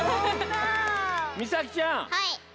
みさきちゃん。